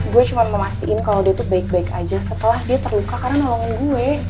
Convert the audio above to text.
gue cuma mau mastiin kalo dia tuh baik baik aja setelah dia terluka karena nolongan gue